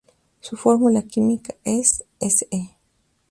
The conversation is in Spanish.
Su fórmula química es Se.